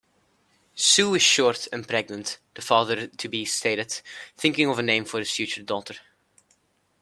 "Sue is short and pregnant", the father-to-be stated, thinking of a name for his future daughter.